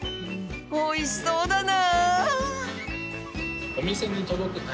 おいしそうだな。